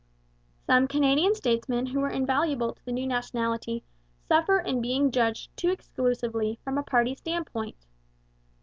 Some Canadian statesmen who were invaluable to the new nationality suffer in being judged too exclusively from a party standpoint.